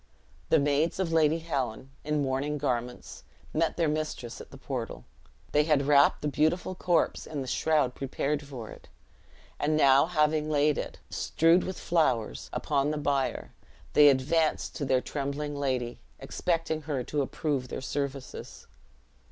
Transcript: The maids of Lady Helen, in mourning garments, met their mistress at the portal. They had wrapped the beautiful corpse in the shroud prepared for it; and now having laid it, strewed with flowers, upon the bier, they advanced to their trembling lady, expecting her to approve their services.